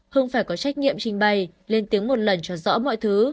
hưng phải có trách nhiệm trình bày lên tiếng một lần cho rõ mọi thứ